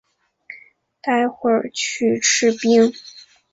待会去吃冰